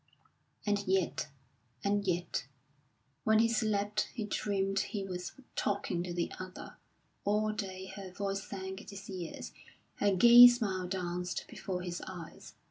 And yet and yet, when he slept he dreamed he was talking to the other; all day her voice sang in his ears, her gay smile danced before his eyes.